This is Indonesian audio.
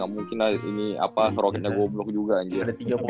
gak mungkin lah ini apa seroketnya goblok juga anjir